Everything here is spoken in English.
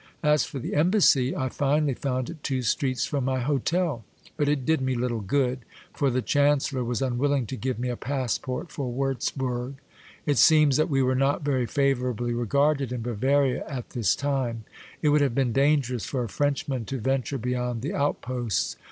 As for the Embassy, I finally found it two streets from my hotel ; but it did me little good, for the chancellor was unwilling to give me a passport for Wurtzbourg. It seems that we were not very favorably regarded in Bavaria at this time; it would have been dangerous for a Frenchman to venture beyond the outposts.